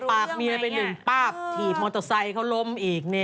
ต่อยปากเมียเป็นนึงป๊าบถี่มอเตอร์ไซเค้ารมเองเนี่ย